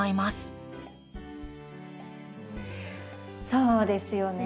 そうですよね。